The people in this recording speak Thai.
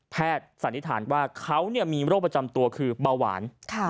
สันนิษฐานว่าเขามีโรคประจำตัวคือเบาหวาน